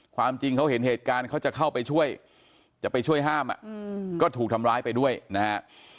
ความจริงเขาเห็นเหตุการณ์เขาจะเข้าไปช่วยจะไปช่วยห้ามก็ถูกทำร้ายไปด้วยนะฮะ